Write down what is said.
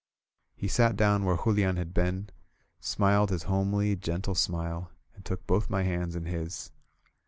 He sat down where Julian had been, smiled his home ly, gentle smile, and took both my hands in his.